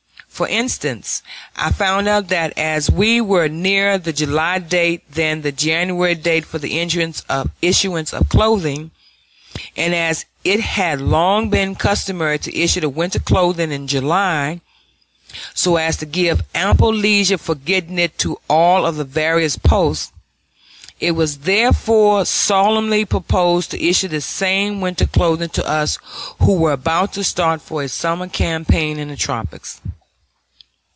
For instance, I found out that as we were nearer the July date than the January date for the issuance of clothing, and as it had long been customary to issue the winter clothing in July, so as to give ample leisure for getting it to all the various posts, it was therefore solemnly proposed to issue this same winter clothing to us who were about to start for a summer campaign in the tropics.